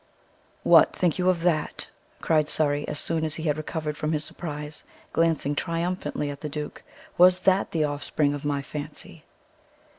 "What think you of that?" cried Surrey, as soon as he had recovered from his surprise, glancing triumphantly at the duke. "Was that the offspring of my fancy?"